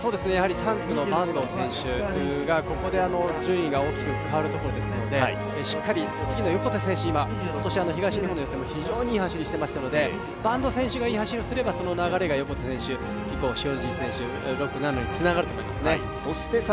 ３区の坂東選手がここで順位が大きく変わるところですのでしっかり次の横手選手は、今年の東日本の予選も非常にいい走りをしていましたので坂東選手がいい走りをすればその流れが横手選手以降塩尻選手、６、７につながると思いますね。